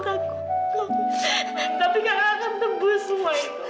kakak kakak minta maaf